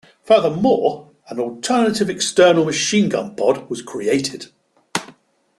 Furthermore, an alternative external machine gun pod was created.